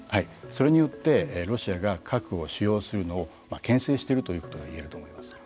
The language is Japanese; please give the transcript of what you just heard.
それによってロシアが核を使用するのをけん制しているということが言えると思います。